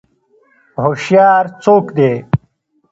هوشیار څوک دی؟